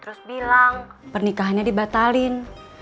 terus bilang pernikahannya dibatalin